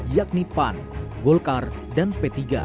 yakni pan golkar dan p tiga